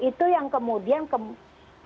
itu yang kemudian harus dihindarkan